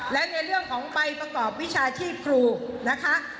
และในเรื่องของใบประกอบวิชาชีพครูนะคะ